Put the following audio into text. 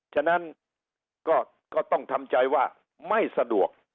ฉะนั้นก็ต้องทำใจว่าไม่สะดวก